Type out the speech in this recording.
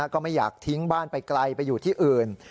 ก็ไม่อยากทิ้งบ้านไปไกลไปอยู่ที่อื่น